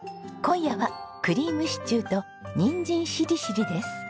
今夜はクリームシチューとにんじんしりしりです。